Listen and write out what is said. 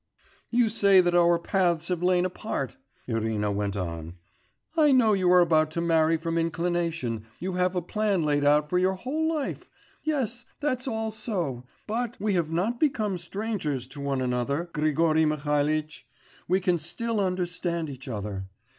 'You say that our paths have lain apart,' Irina went on. 'I know you are about to marry from inclination, you have a plan laid out for your whole life; yes, that's all so, but we have not become strangers to one another, Grigory Mihalitch; we can still understand each other.